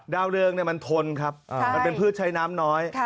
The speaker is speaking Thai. ดาวเรืองมันทนครับมันเป็นพืชใช้น้ำน้อย